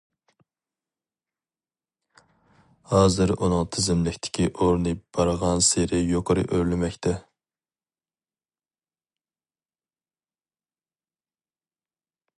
ھازىر ئۇنىڭ تىزىملىكتىكى ئورنى بارغانسېرى يۇقىرى ئۆرلىمەكتە.